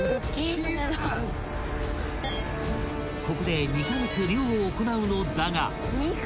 ［ここで２カ月漁を行うのだが］